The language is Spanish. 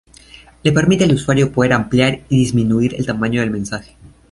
Le permite al usuario poder ampliar y disminuir el tamaño del mensaje.